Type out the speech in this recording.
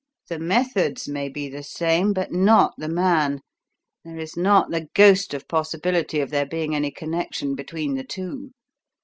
The methods may be the same, but not the man there is not the ghost of possibility of there being any connection between the two.